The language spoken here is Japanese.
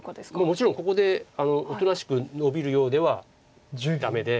もちろんここでおとなしくノビるようではダメで。